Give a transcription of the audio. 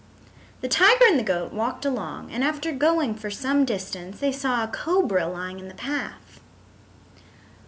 The tiger and the goat walked along and after going for some distance they saw a cobra lying in the path.